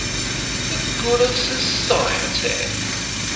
"The Good of Society!"